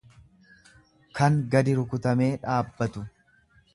kan gadi rukutamee dhaabbatu.